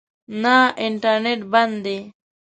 نه، انټرنېټ بند دی